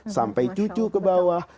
sampai cucu ke bawah